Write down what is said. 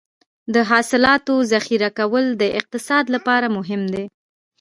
د حاصلاتو ذخیره کول د اقتصاد لپاره مهم دي.